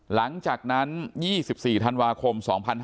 หลังจากนั้น๒๔ธันวาคม๒๕๕๙